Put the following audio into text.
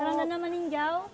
karang danau dan ninjau